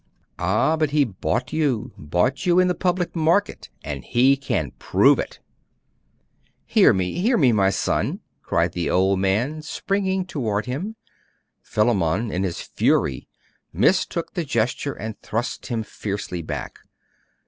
'Ah, but he bought you bought you in the public market; and he can prove it!' 'Hear me hear me, my son!' cried the old man, springing toward him. Philammon, in his fury, mistook the gesture and thrust him fiercely back.